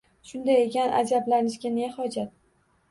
Shunday ekan ajablanishga ne hojat